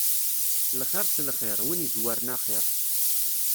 Lxiṛ s lxiṛ, win izwaren axiṛ.